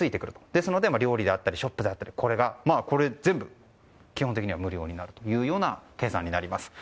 ですので料理であったりショップであったりこれ全部、基本的には無料になるという計算になります。